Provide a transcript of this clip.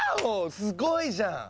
すごいじゃん！